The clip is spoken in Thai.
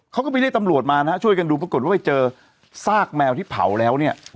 เขาก็ไปเรียกตำรวจมานะฮะช่วยกันดูปรากฏว่าไปเจอซากแมวที่เผาแล้วเนี่ย